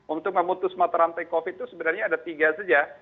untuk memutus mata rantai covid itu sebenarnya ada tiga saja